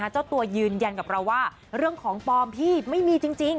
เจ้าตัวยืนยันกับเราว่าเรื่องของปลอมพี่ไม่มีจริง